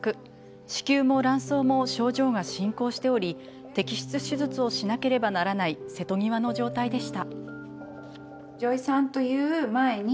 子宮も卵巣も症状が進行しており摘出手術をしなければならない瀬戸際の状態でした。